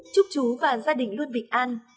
chúc chú và gia đình luôn bình an